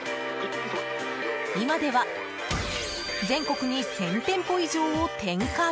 今では全国に１０００店舗以上を展開。